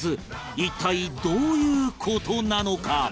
一体どういう事なのか？